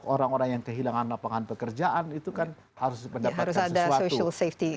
orang orang yang kehilangan lapangan pekerjaan itu kan harus mendapatkan sesuatu